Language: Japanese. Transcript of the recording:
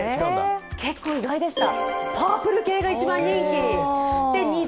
結構意外でした。